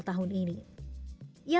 tapi seneng ya